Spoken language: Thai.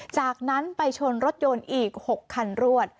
จากนั้นไปชนรถยนต์อีก๖คันรวด